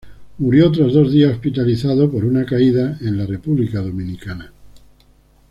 Murió tras dos días hospitalizado por una caída en la República Dominicana.